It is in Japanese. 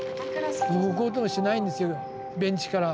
もう動こうともしないんですよベンチから。